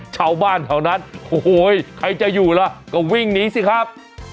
ชาวบ้านแถวนั้นโอ้โหใครจะอยู่ล่ะก็วิ่งหนีสิครับ